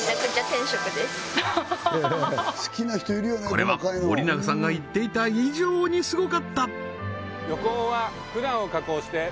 これは森永さんが言っていた以上にすごかった！